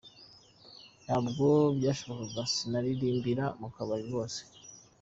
Ntabwo byashoboka, sinaririmbira mu kabari rwose.